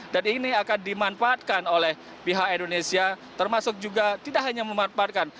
dan ini akan dimanfaatkan oleh pihak indonesia termasuk juga tidak hanya memanfaatkan